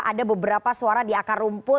ada beberapa suara di akar rumput